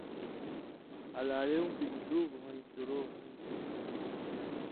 ہلالیُوں بِگی ڈُوب ہویں شروع ہُون٘دیۡ